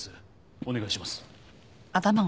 お願いします。